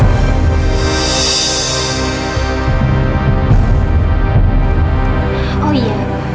aku mau hidup sama indira